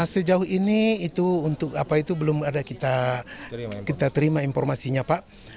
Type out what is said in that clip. sejauh ini itu untuk apa itu belum ada kita terima informasinya pak